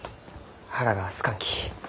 腹がすかんき。